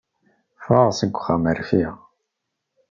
Fɣeɣ seg uxxam rfiɣ.